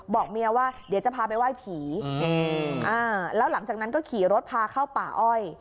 บอกเมียว่าเดี๋ยวจะพาไปไหว้ผีแล้วหลังจากนั้นก็ขี่รถพาเข้าป่าอ้อย